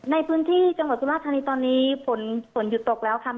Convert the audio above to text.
ในพื้นที่จังหวัดสุราธานีตอนนี้ฝนฝนหยุดตกแล้วค่ะ